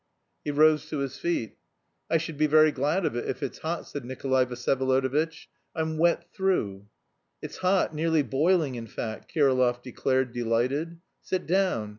He rose to his feet. "I should be very glad of it, if it's hot," said Nikolay Vsyevolodovitch; "I'm wet through." "It's hot, nearly boiling in fact," Kirillov declared delighted. "Sit down.